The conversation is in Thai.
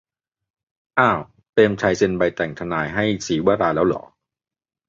"อ่าว เปรมชัยเซ็นใบแต่งทนายให้ศรีวราห์แล้วหรอ"